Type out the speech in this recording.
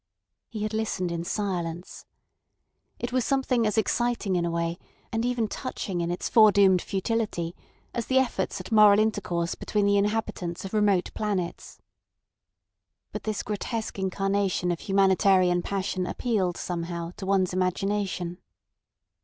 He had listened in silence. It was something as exciting in a way, and even touching in its foredoomed futility, as the efforts at moral intercourse between the inhabitants of remote planets. But this grotesque incarnation of humanitarian passion appealed somehow, to one's imagination.